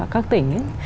các tỉnh ấy